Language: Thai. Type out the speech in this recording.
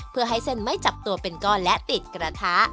เพื่อให้เส้นไม่จับตัวเป็นก้อนและติดกระทะ